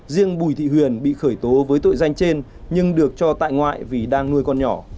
riêng bùi thị huyền bị khởi tố với tội danh trên nhưng được cho tại ngoại vì đang nuôi con nhỏ